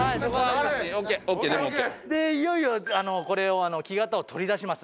でいよいよこれを木型を取り出します。